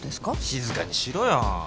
静かにしろよ。